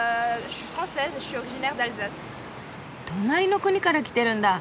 隣の国から来てるんだ。